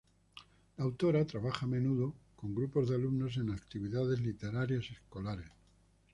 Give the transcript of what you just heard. La autora trabaja a menudo con grupos de alumnos en actividades literarias escolares.